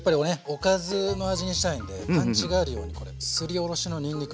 おかずの味にしたいのでパンチがあるようにこれすりおろしのにんにく。